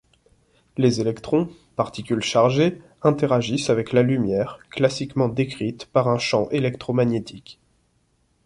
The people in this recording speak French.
Les électrons, particules chargées, interagissent avec la lumière, classiquement décrite par un champ électromagnétique.